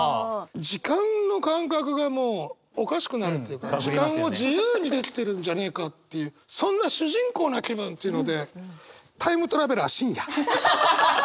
時間の感覚がもうおかしくなるというか時間を自由にできてるんじゃねえかっていうそんな主人公な気分っていうので。